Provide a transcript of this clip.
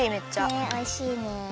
ねえおいしいね。